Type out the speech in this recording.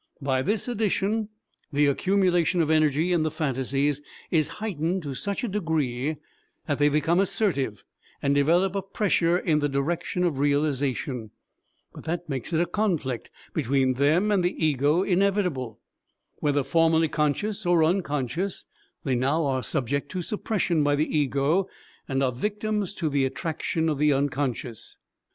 By this addition the accumulation of energy in the phantasies is heightened to such a degree that they become assertive and develop a pressure in the direction of realization. But that makes a conflict between them and the ego inevitable. Whether formerly conscious or unconscious, they now are subject to suppression by the ego and are victims to the attraction of the unconscious.